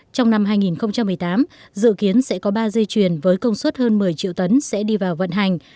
trong năm hai nghìn một mươi tám dự kiến sẽ có ba dây chuyền với công suất hơn một mươi triệu tấn sẽ đi vào vận hành